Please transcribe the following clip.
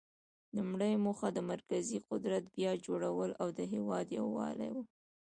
لومړۍ موخه د مرکزي قدرت بیا جوړول او د هیواد یووالی و.